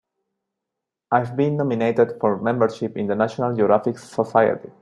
I've been nominated for membership in the National Geographic Society.